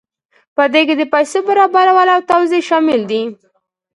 په دې کې د پیسو برابرول او توزیع شامل دي.